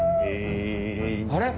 あれ？